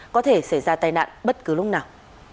có thể xảy ra tai nạn bất cứ lúc nào